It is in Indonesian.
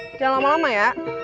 jangan lama lama ya